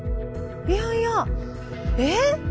いやいや。えっ？